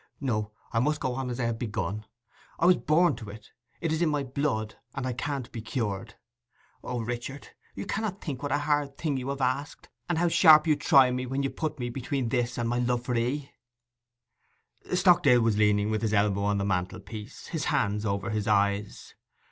'No, I must go on as I have begun. I was born to it. It is in my blood, and I can't be cured. O, Richard, you cannot think what a hard thing you have asked, and how sharp you try me when you put me between this and my love for 'ee!' Stockdale was leaning with his elbow on the mantelpiece, his hands over his eyes.